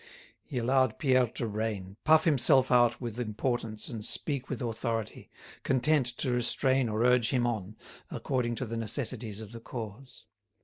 He allowed Pierre to reign, puff himself out with importance and speak with authority, content to restrain or urge him on, according to the necessities of the cause.